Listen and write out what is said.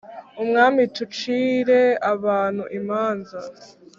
Umwami t ucire abantu imanza